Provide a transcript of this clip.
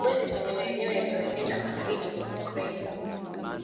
Urusi kwenye maeneo yaliyolenga magharibi mwa Ukraine